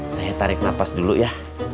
saya tarik nafas dulu ya